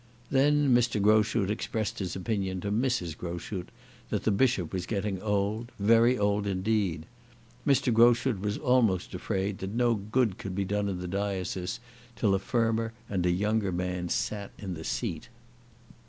Then Mr. Groschut expressed his opinion to Mrs. Groschut that the Bishop was getting old, very old indeed. Mr. Groschut was almost afraid that no good could be done in the diocese till a firmer and a younger man sat in the seat.